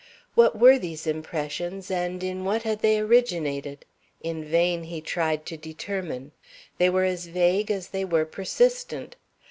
What were these impressions, and in what had they originated? In vain he tried to determine. They were as vague as they were persistent.